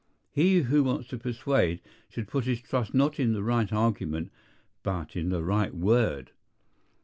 He who wants to persuade should put his trust not in the right argument, but in the right word.